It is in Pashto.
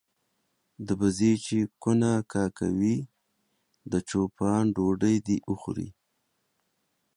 د بزې چې کونه کا کوي د چو پان ډوډۍ دي وخوري.